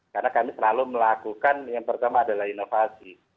karena kami selalu melakukan yang pertama adalah inovasi